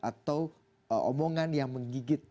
atau omongan yang menggigit